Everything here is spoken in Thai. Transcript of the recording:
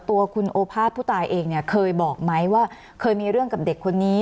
ตัวคุณโอภาษผู้ตายเองเนี่ยเคยบอกไหมว่าเคยมีเรื่องกับเด็กคนนี้